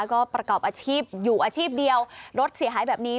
ก็ประกอบอาชีพอยู่อาชีพเดียวรถเสียหายแบบนี้